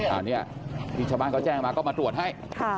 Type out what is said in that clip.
อันนี้ทิชชาบ้านก็แจ้งมาก็มาถวดให้